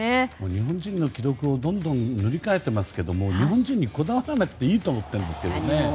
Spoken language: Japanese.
日本人の記録をどんどん塗り替えていますけど日本人にこだわらなくてもいいと思っているんですよ。